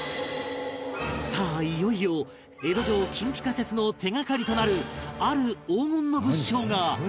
さあいよいよ江戸城金ピカ説の手がかりとなるある黄金の物証が目の前に